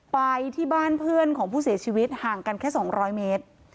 ไปที่บ้านเพื่อนของผู้เสียชีวิตห่างกันแค่๒๐๐เมตร